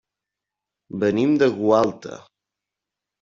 Venim de Gualta.